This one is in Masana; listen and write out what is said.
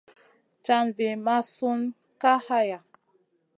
Caʼnda vi mʼasun Kay haya.